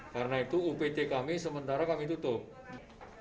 karena itu upt kami sementara kami tutup